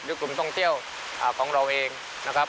กลุ่มท่องเที่ยวของเราเองนะครับ